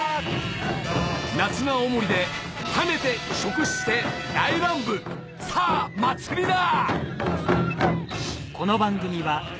夏の青森で跳ねて食して大乱舞さぁ祭りだ！